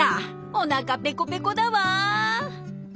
おなかペコペコだわ。